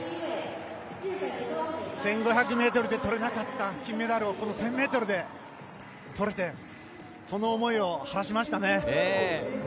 １５００ｍでとれなかった金メダルを、１０００でとれてその思いを晴らしましたね。